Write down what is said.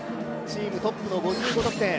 チームトップの５５得点。